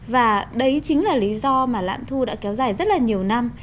và đấy chính là lý do mà lạm thu đã kéo dài rất là nhiều năm